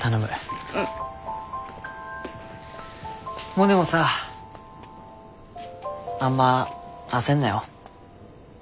モネもさあんま焦んなよ。